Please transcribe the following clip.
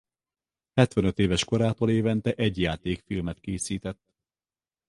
Hetvenöt éves korától évente egy játékfilmet készített.